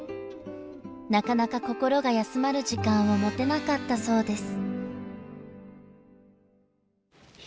なかなか心が休まる時間を持てなかったそうです。